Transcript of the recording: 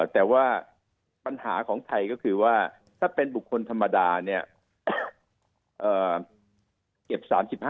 แต่ว่าปัญหาของไทยก็คือว่าถ้าเป็นบุคคลธรรมดาเนี่ยเก็บ๓๕